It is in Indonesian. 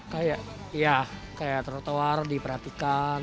kayak ya kayak trotoar diperhatikan